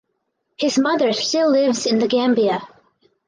His mother still lives in The Gambia.